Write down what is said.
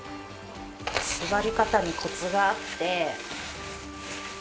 縛り方にコツがあって。